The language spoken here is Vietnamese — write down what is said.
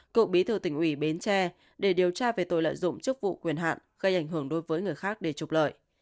cựu bí thư tỉnh ủy bến tre để điều tra về tội lợi dụng chức vụ quyền hạn gây ảnh hưởng đối với người khác để trục lợi